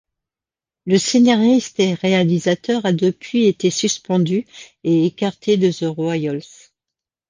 Le scénariste et réalisateur a depuis été suspendu et écarté de The Royals.